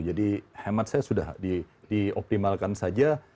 jadi hemat saya sudah dioptimalkan saja